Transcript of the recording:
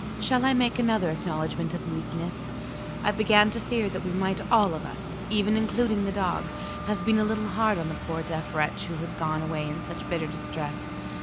Shall I make another acknowledgment of weakness? I began to fear that we might all of us (even including the dog!) have been a little hard on the poor deaf wretch who had gone away in such bitter distress.